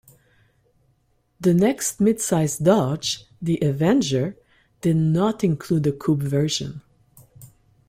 The next midsize Dodge, the Avenger, did not include a coupe version.